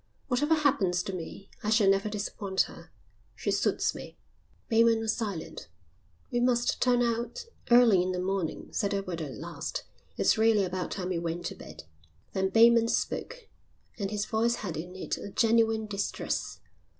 Whatever happens to me I shall never disappoint her. She suits me." Bateman was silent. "We must turn out early in the morning," said Edward at last. "It's really about time we went to bed." Then Bateman spoke and his voice had in it a genuine distress.